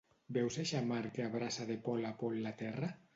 Veus eixa mar que abraça de pol a pol la terra?